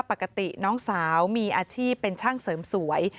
ปกติน้องสาวมีอาชีพเป็นช่างเสริมสวย